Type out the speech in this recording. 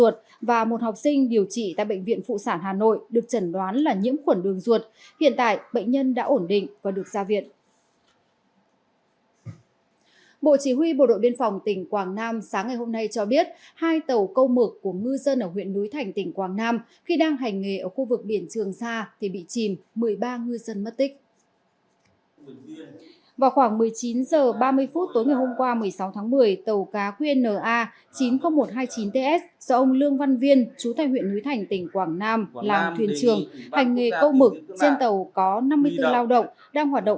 chú thầy huyện núi thành tỉnh quảng nam làm thuyền trường hành nghề câu mực trên tàu có năm mươi bốn lao động